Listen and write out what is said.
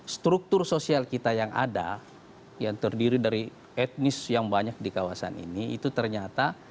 struktur sosial kita yang ada yang terdiri dari etnis yang banyak di kawasan ini itu ternyata